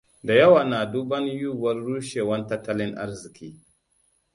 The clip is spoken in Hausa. Dayawa na duban yiwuwar rushewan tattalin arziki.